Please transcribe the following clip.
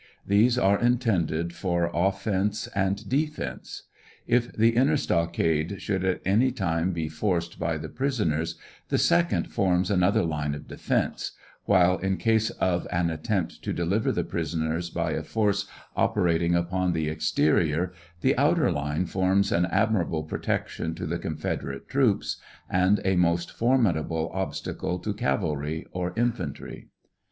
These are intended for offense and defense. If the inner stockade should at any time be forced by the prisoners, the second forms another line of defense; while in case of an attempt to deliver the prisoners by a force operating upon the ex terior, the outer line forms an admirable protection to the Confed erate troops, and a most formidable obstacle to cavalry or infantry.